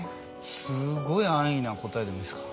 すごい安易な答えでもいいですか？